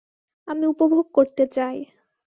আমি উপভোগ করতে চাই।